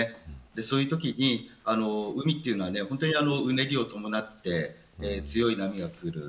そういうときに海というのはうねりを伴って強い波がくる。